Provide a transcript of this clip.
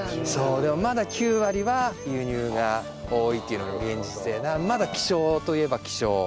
でもまだ９割は輸入が多いというのが現実でまだ希少といえば希少。